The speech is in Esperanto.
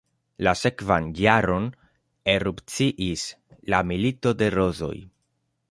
La sekvan jaron erupciis la milito de rozoj.